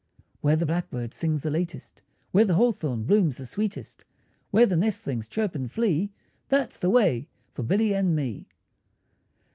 Where the blackbird sings the latest, Where the hawthorn blooms the sweetest, Where the nestlings chirp and flee, That's the way for Billy and me.